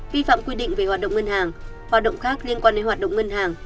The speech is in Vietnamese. vi phạm quy định về hoạt động ngân hàng hoạt động khác liên quan đến hoạt động ngân hàng